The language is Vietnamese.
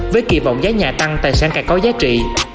với kỳ vọng giá nhà tăng tài sản càng có giá trị